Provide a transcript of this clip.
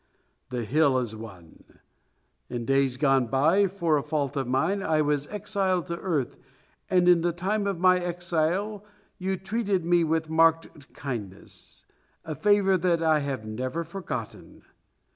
This hill is one. In days gone by, for a fault of mine, I was exiled to earth, and in the time of my exile you treated me with marked kindness, a favour that I have never forgotten.